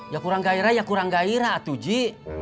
ya kurang gairah ya kurang gairah dua ji